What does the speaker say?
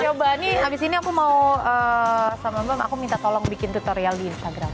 ya mbak ini abis ini aku mau sama mbak aku minta tolong bikin tutorial di instagram